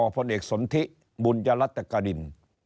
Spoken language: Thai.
พลเอกสนทิบุญยรัตกริน